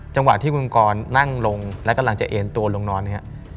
จังหวะที่คุณกรนั่งลงและกำลังจะเอ็นตัวลงนอนเนี่ย